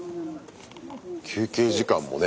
休憩時間もね。